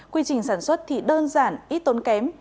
quy trình sản xuất thì đơn giản ít tốn kém